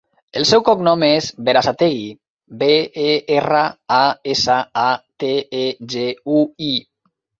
El seu cognom és Berasategui: be, e, erra, a, essa, a, te, e, ge, u, i.